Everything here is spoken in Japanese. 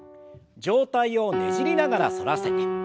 上体をねじりながら反らせて。